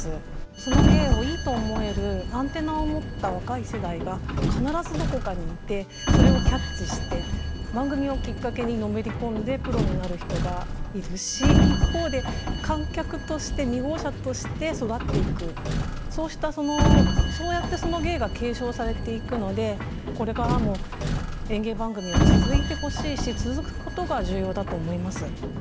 その芸をいいと思えるアンテナを持った若い世代が必ずどこかにいてそれをキャッチして番組をきっかけにのめり込んでプロになる人がいるし一方で観客として見巧者として育っていくそうやってその芸が継承されていくので、これからも演芸番組は続いてほしいし続くことが重要だと思います。